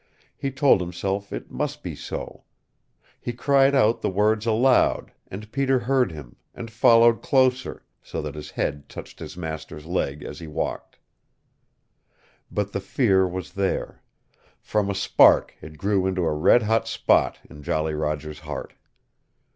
He told himself it must be so. He cried out the words aloud, and Peter heard him, and followed closer, so that his head touched his master's leg as he walked. But the fear was there. From a spark it grew into a red hot spot in Jolly Roger's heart.